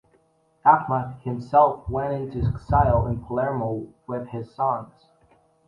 Ahmad himself went into exile in Palermo with his sons.